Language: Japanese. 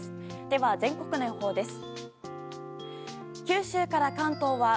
では、全国の予報です。